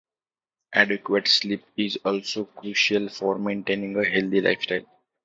Adequate sleep is also crucial for maintaining a healthy lifestyle.